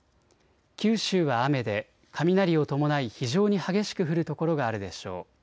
九州は雨で雷を伴い非常に激しく降る所があるでしょう。